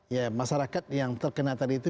ya masyarakat yang terkena tadi itu